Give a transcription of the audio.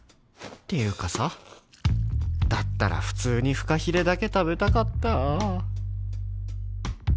ていうかさだったら普通にフカヒレだけ食べたかった